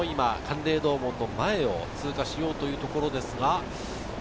嶺洞門の前を通過しようというところです。